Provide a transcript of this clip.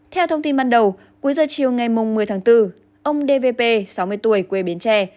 theo thông tin ban đầu cuối giờ chiều ngày một mươi tháng bốn ông dvp sáu mươi tuổi quê bến tre